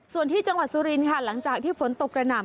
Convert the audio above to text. ส่วนที่จังหวัดสุรินค่ะหลังจากที่ฝนตกกระหน่ำ